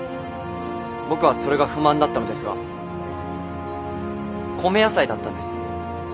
僕はそれが不満だったのですが米野菜だったんです。